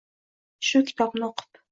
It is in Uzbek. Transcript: Shu kitobni o‘qib